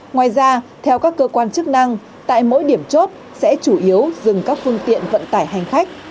ngoài ra theo các cơ quan chức năng tại mỗi điểm chốt sẽ chủ yếu dừng các phương tiện vận tải hành khách